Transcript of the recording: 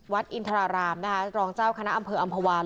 อินทรารามนะคะรองเจ้าคณะอำเภออำภาวาน